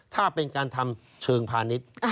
ถ้าเป็นการทำเชิงพาณิชย์